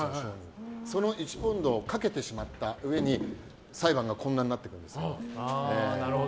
その１ポンドをかけてしまったうえに裁判になっていくんです。